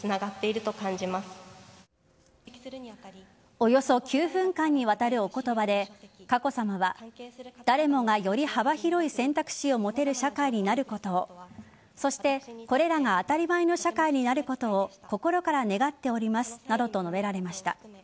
およそ９分間にわたるおことばで佳子さまは誰もがより幅広い選択肢を持てる社会になることをそして、これらが当たり前の社会になることを心から願っておりますなどと述べられました。